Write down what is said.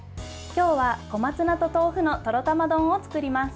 今日は小松菜と豆腐のとろたま丼を作ります。